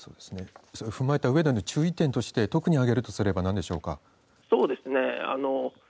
それを踏まえた上での注意点として特に挙げるとしたら何でしょうか。